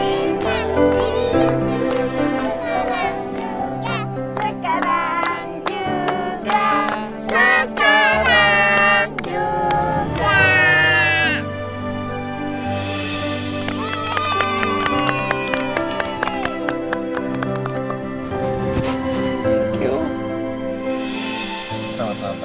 sekarang juga sekarang juga sekarang juga sekarang juga